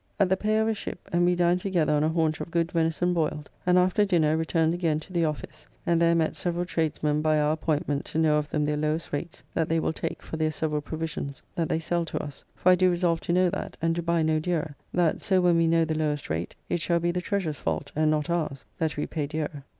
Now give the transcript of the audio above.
At the pay of a ship, and we dined together on a haunch of good venison boiled, and after dinner returned again to the office, and there met several tradesmen by our appointment to know of them their lowest rates that they will take for their several provisions that they sell to us, for I do resolve to know that, and to buy no dearer, that so when we know the lowest rate, it shall be the Treasurer's fault, and not ours, that we pay dearer.